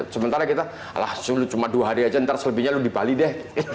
sementara kita cuma dua hari aja ntar selebihnya lu di bali deh